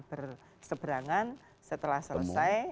berseberangan setelah selesai